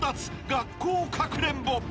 学校かくれんぼ］